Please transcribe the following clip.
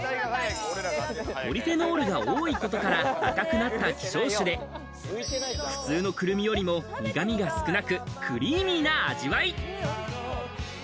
ポリフェノールが多いことから、赤くなった希少種で、普通のクルミよりも苦味が少なく、クリーミーな味わい。